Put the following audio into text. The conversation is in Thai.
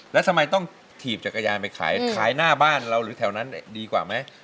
แล้วทำไมต้องถีบจักรยานไปขายขายหน้าบ้านเราหรือแถวนั้นดีกว่าไหม